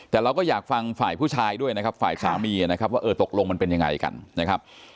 แต่เราก็อยากฟังฝ่ายผู้ชายด้วยนะครับฝ่ายสามีนะครับว่าเออตกลงมันเป็นยังไงกันนะครับ